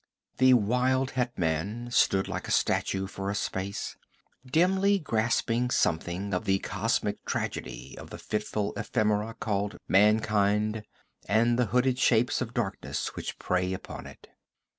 The wild hetman stood like a statue for a space, dimly grasping something of the cosmic tragedy of the fitful ephemera called mankind and the hooded shapes of darkness which prey upon it.